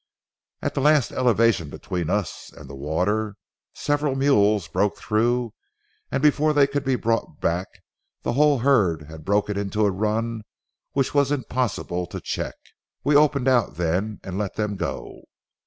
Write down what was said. At the last elevation between us and the water, several mules broke through, and before they could be brought back the whole herd had broken into a run which was impossible to check. We opened out then and let them go.